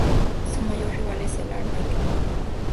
Su mayor rival es el Al-Merreikh Omdurmán.